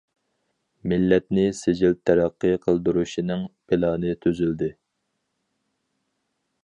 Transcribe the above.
مىللەتنى سىجىل تەرەققىي قىلدۇرۇشنىڭ پىلانى تۈزۈلدى.